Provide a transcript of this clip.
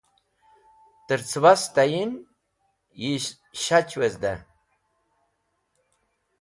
Tẽr cẽbas tayin yishach wezdẽ